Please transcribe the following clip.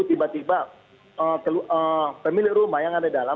tiba tiba pemilik rumah yang ada dalam